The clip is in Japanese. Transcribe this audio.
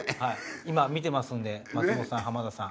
今見てますんで松本さん浜田さん。